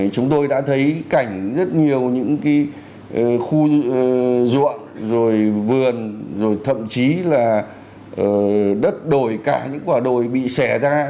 chúng tôi đã thấy cảnh rất nhiều những khu ruộng rồi vườn rồi thậm chí là đất đổi cả những quả đồi bị xẻ ra